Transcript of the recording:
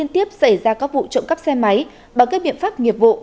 đề ra các vụ trộm cắp xe máy bằng các biện pháp nghiệp vụ